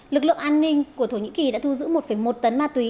lực lượng an ninh của thổ nhĩ kỳ đã thu giữ một một tấn ma túy